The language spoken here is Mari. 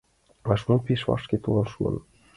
Вашмут пеш вашке толын шуын.